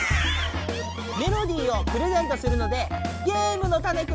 メロディーをプレゼントするのでゲームのタネください！